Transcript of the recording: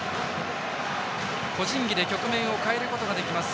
個人技で局面を変えることができます。